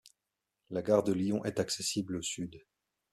La gare de Lyon est accessible au sud.